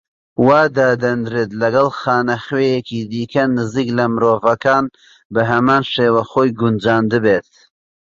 وا دادەنرێت، لەگەڵ خانەخوێیەکی دیکە نزیک لە مرۆڤەکان بە هەمان شێوە خۆی گونجاندبێت.